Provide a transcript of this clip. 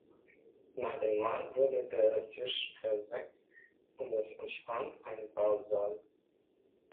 Nach dem Mahl wurde der Tisch versenkt und es entstand ein Ballsaal.